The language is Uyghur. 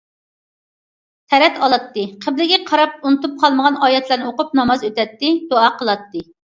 تەرەت ئالاتتى، قىبلىگە قاراپ ئۇنتۇپ قالمىغان ئايەتلەرنى ئوقۇپ ناماز ئۆتەتتى، دۇئا قىلاتتى.